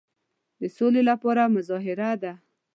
د سولي لپاره مظاهره ده.